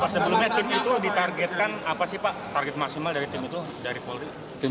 sebelumnya tim itu ditargetkan apa sih pak target maksimal dari tim itu dari polri